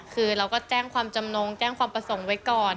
คือเราก็แจ้งความจำนงแจ้งความประสงค์ไว้ก่อน